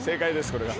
これが。